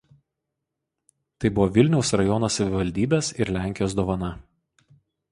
Tai buvo Vilniaus r. savivaldybės ir Lenkijos dovana.